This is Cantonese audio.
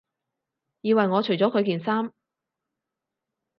以為我除咗佢件衫